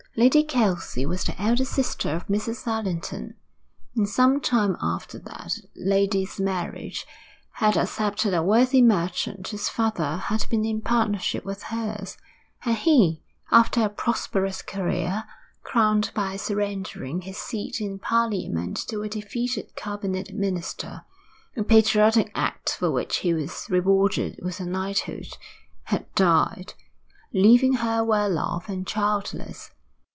Lady Kelsey was the elder sister of Mrs. Allerton, and some time after that lady's marriage had accepted a worthy merchant whose father had been in partnership with hers; and he, after a prosperous career crowned by surrendering his seat in Parliament to a defeated cabinet minister a patriotic act for which he was rewarded with a knighthood had died, leaving her well off and childless.